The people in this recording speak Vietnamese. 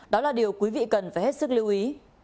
đó là điều quý vị cần phải hết sức lưu ý